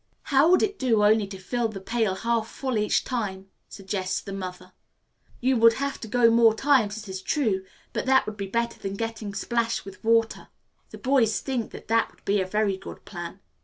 "How would it do only to fill the pail half full each time," suggests the mother. "You would have to go more times, it is true, but that would be better than getting splashed with water." The boys think that that would be a very good plan.